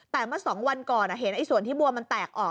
แต่เมื่อ๒วันก่อนเห็นส่วนที่บัวมันแตกออก